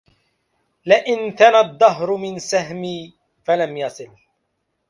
لئن ثنى الدهر من سهمي فلم يصل